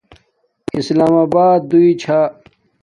اسلام آبات دوچھا